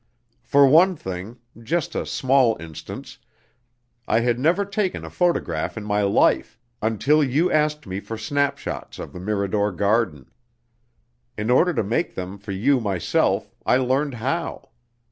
"For one thing just a small instance I had never taken a photograph in my life, until you asked me for snapshots of the Mirador garden. In order to make them for you myself, I learned how.